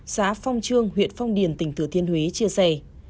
xã phong trương huyện phong điền tỉnh thừa thiên huế chia sẻ